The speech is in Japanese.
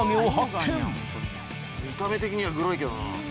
見た目的にはグロいけどな。